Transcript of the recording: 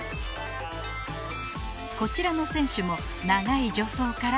こちらの選手も長い助走から